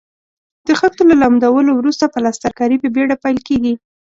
د خښتو له لمدولو وروسته پلسترکاري په بېړه پیل کیږي.